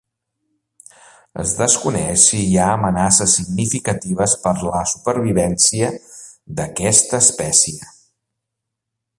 Es desconeix si hi ha amenaces significatives per a la supervivència d'aquesta espècie.